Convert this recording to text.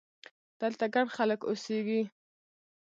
دلته ګڼ خلک اوسېږي!